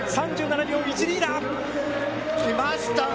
３７秒１２だ。